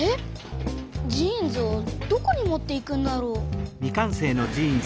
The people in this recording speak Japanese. ジーンズをどこに持っていくんだろう？